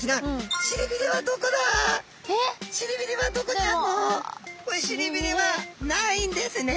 しりびれはないんですね。